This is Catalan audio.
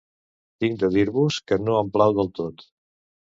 Tinc de dir-vos que no em plau del tot